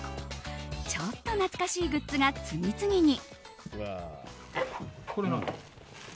ちょっと懐かしいグッズが次々に。